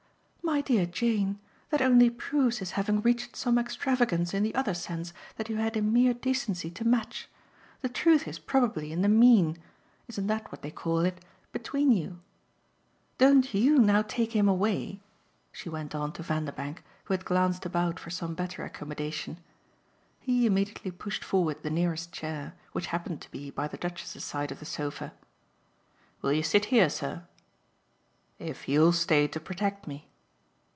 "My dear Jane, that only proves his having reached some extravagance in the other sense that you had in mere decency to match. The truth is probably in the 'mean' isn't that what they call it? between you. Don't YOU now take him away," she went on to Vanderbank, who had glanced about for some better accommodation. He immediately pushed forward the nearest chair, which happened to be by the Duchess's side of the sofa. "Will you sit here, sir?" "If you'll stay to protect me."